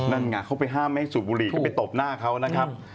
นั่นไงเขาไปห้ามไม่ให้สูบบุหรี่ก็ไปตบหน้าเขานะครับ